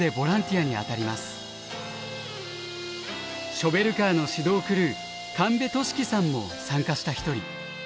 ショベルカーの指導クルー神戸智基さんも参加した一人。